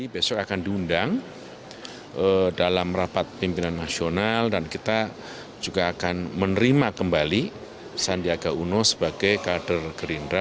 besok akan diundang dalam rapat pimpinan nasional dan kita juga akan menerima kembali sandiaga uno sebagai kader gerindra